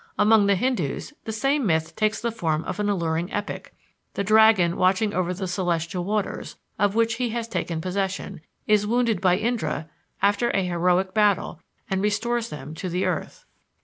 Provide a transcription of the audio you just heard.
Among the Hindoos the same myth takes the form of an alluring epic the dragon watching over the celestial waters, of which he has taken possession, is wounded by Indra after a heroic battle, and restores them to the earth.